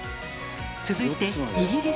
続いてん？